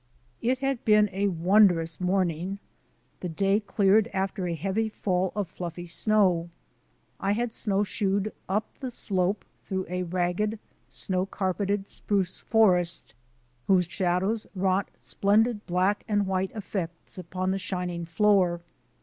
It had been a wondrous morning. The day cleared after a heavy fall of fluffy snow. I hid snowshoed up the slope through a ragged, snow carpeted spruce forest, whose shadows wrought splendid black and white effects upon the shining floor.